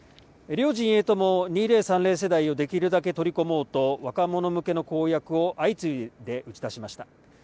両陣営とも２０３０世代をできるだけ取り込もうと若者向けの公約を相次いで打ち出しました。